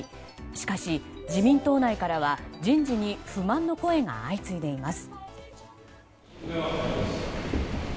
しかし、自民党内からは人事に不満の声が相次いでいます。